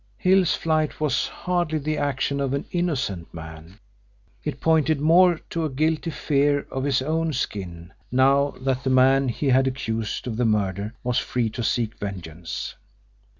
Hill's flight was hardly the action of an innocent man. It pointed more to a guilty fear of his own skin, now that the man he had accused of the murder was free to seek vengeance.